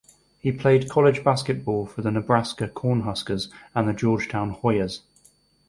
He played college basketball for the Nebraska Cornhuskers and the Georgetown Hoyas.